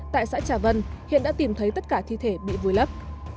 tại xã trà vân hiện đã tìm thấy tất cả thi thể bị vùi lấp